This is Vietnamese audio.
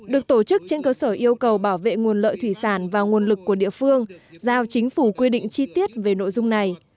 được tổ chức trên cơ sở yêu cầu bảo vệ nguồn lợi thủy sản và nguồn lực của địa phương giao chính phủ quy định chi tiết về nội dung này